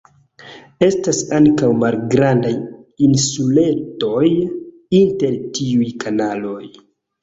Estas ankaŭ malgrandaj insuletoj inter tiuj kanaloj.